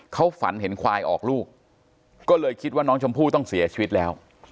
เขาฝันเห็นควายออกลูกก็เลยคิดว่าน้องชมพู่ต้องเสียชีวิตแล้ว